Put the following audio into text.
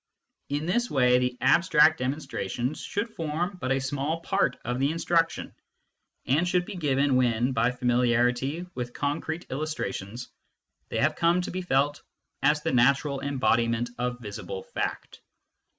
In this way the abstract demon strations should form but a small part of the instruction, and should be given when, by familiarity with concrete illustrations, they have come to be felt as *e natural embodiment of visible fact.